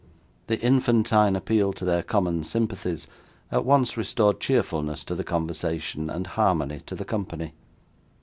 The infantine appeal to their common sympathies, at once restored cheerfulness to the conversation, and harmony to the company.